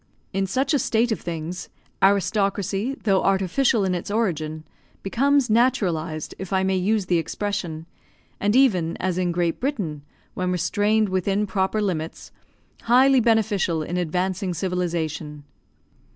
In such a state of things, aristocracy, though artificial in its origin, becomes naturalised, if I may use the expression, and even, as in Great Britain, when restrained within proper limits, highly beneficial in advancing civilization.